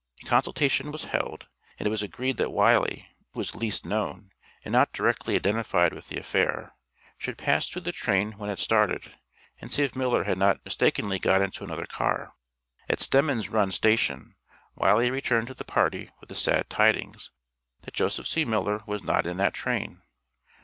A consultation was held, and it was agreed that Wiley, who was least known, and not directly identified with the affair, should pass through the train when it started, and see if Miller had not mistakenly got into another car. At Stemen's Run station, Wiley returned to the party with the sad tidings that Joseph C. Miller was not in that train.